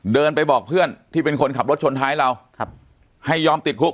เดินไปบอกเพื่อนที่เป็นคนขับรถชนท้ายเราให้ยอมติดคุก